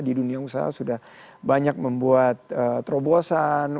di dunia usaha sudah banyak membuat terobosan